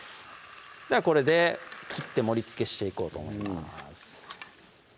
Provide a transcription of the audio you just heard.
これで切って盛りつけしていこうと思います